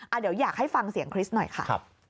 เดี๋ยวอยากให้ฟังเสียงคริสต์หน่อยค่ะ